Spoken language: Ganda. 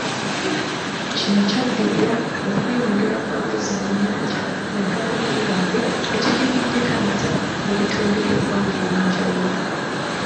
Kino kyaddirira okweyongera kw'amazzi mu nnyanja naddala Nalubaale ekiviiriddeko amataba mu bitundu by'eggwanga ebyenjawulo.